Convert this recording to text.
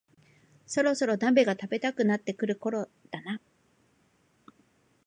そろそろ鍋が食べたくなってくるころだな